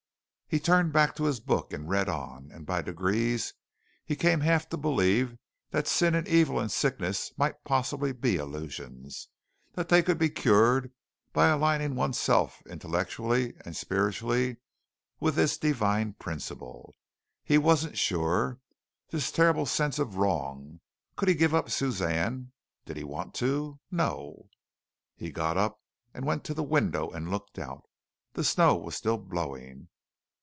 He turned back to his book and read on, and by degrees he came half to believe that sin and evil and sickness might possibly be illusions that they could be cured by aligning one's self intellectually and spiritually with this Divine Principle. He wasn't sure. This terrible sense of wrong. Could he give up Suzanne? Did he want to? No! He got up and went to the window and looked out. The snow was still blowing.